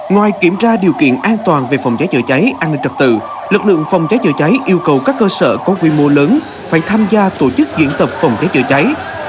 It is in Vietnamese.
ngoài kiểm tra điều kiện an toàn về phòng cháy chữa cháy an ninh trật tự lực lượng phòng cháy chữa cháy yêu cầu các cơ sở có quy mô lớn phải tham gia tổ chức diễn tập phòng cháy chữa cháy